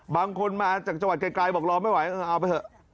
บางคนมาจากจังหวัดไกลบอกรอไม่ไหวเอาไปเถอะ